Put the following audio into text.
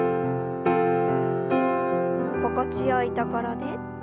心地よいところで。